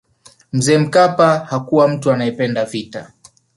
mzee mkapa hakuwa mtu anayependa vita